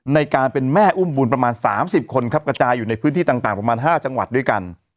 ในการเป็นแม่อุ้มบุญประมาณ๓๐คนครับกระจายอยู่ในพื้นที่ต่างประมาณ๕จังหวัดด้วยกัน